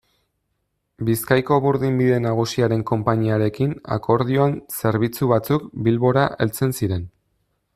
Bizkaiko Burdinbide Nagusiaren Konpainiarekin akordioan zerbitzu batzuk Bilbora heltzen ziren.